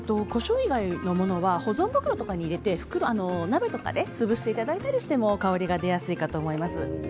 保存袋とかに入れて鍋とかで潰していただいたりしても香りが出やすいかと思います。